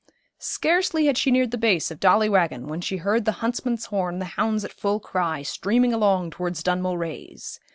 'Scarcely had she neared the base of Dolly Waggon when she heard the huntsman's horn and the hounds at full cry, streaming along towards Dunmail Raise.